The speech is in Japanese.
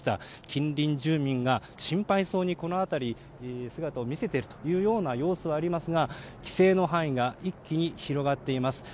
近隣住民が心配そうにこの辺り姿を見せている様子はありますが規制の範囲が一気に広がっています。